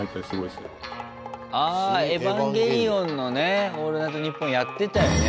あ「エヴァンゲリオン」のね「オールナイトニッポン」やってたよね。